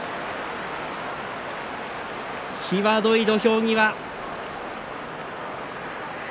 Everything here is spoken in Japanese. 際どい土俵際。